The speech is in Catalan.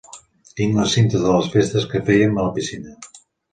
Tinc les cintes de les festes que fèiem a la piscina.